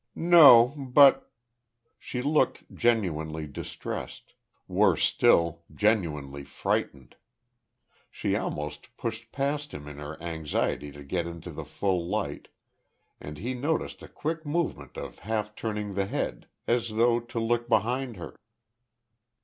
"No. But " She looked genuinely distressed, worse still genuinely frightened. She almost pushed past him in her anxiety to get into the full light, and he noticed a quick movement of half turning the head as though to look behind her.